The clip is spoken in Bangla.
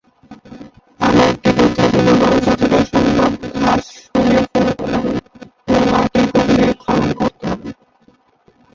আরও একটি পদ্ধতি হল যতটা সম্ভব ঘাস সরিয়ে ফেলতে হবে ও মাটির গভীরে খনন করতে হবে।